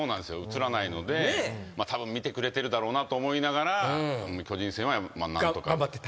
映らないのでたぶん見てくれてるだろうなと思いながら巨人戦は何とか頑張ってっていう。